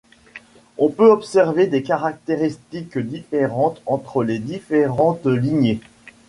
On peut observer des caractéristiques différentes entre les différentes lignées.